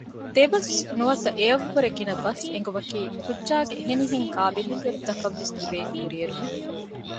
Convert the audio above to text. ދެ ބަސް ނުވަތަ އެއަށްވުރެ ގިނަ ބަސް އެނގުމަކީ ކުއްޖާގެ އެހެންނިހެން ގާބިލިއްޔަތުތަކަށް ވެސް ލިބޭ ކުރިއެރުމެއް